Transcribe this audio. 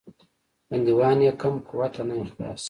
بندیوان یې کم قوته نه یې خلاص.